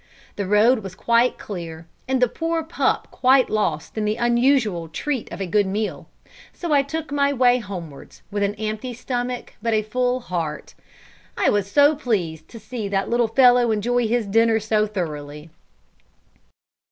The road was quite clear, and the poor pup quite lost in the unusual treat of a good meal; so I took my way homewards, with an empty stomach but a full heart. I was so pleased to see that little fellow enjoy his dinner so thoroughly.